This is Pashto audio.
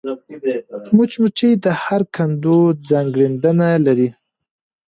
مچمچۍ د هر کندو ځانګړېندنه لري